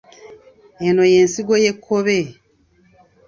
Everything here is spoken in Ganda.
Eno y’ensigo y’ekkobe.